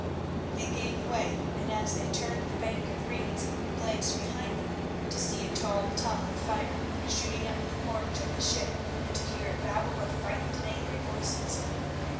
They gave way, and as they turned the bank of reeds glanced behind them, to see a tall tongue of fire shooting up the cordage of the ship, and to hear a babel of frightened and angry voices.